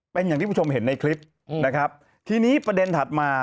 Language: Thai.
เป็นอย่างที่ผู้ชมเห็นในคลิปนะครับทีนี้ประเด็นถัดมา